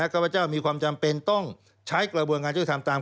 ก็พระเจ้ามีความจำเป็นต้องใช้กระบวนงานช่วยตาม